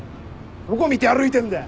どこ見て歩いてんだよ！